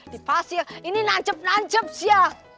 dipasir ini nancep nancep sia